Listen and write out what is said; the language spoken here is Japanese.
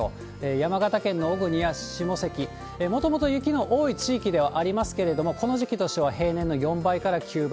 山形県の小国や下関、もともと雪の多い地域ではありますけれども、この時期としては平年の４倍から９倍。